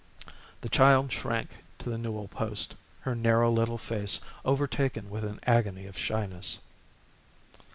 The child shrank to the newel post, her narrow little face overtaken with an agony of shyness.